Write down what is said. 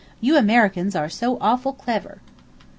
You Americans are so awful clever!"